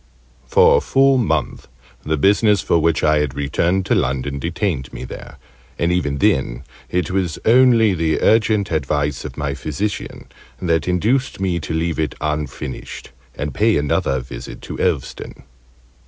For a full month the business, for which I had returned to London, detained me there: and even then it was only the urgent advice of my physician that induced me to leave it unfinished and pay another visit to Elveston.